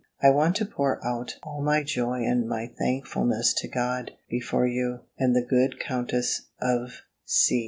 I want to pour out all my joy and my thankfulness to God, before you, and the good Countess of C